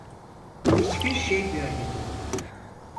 Hiçbir şey görmedin.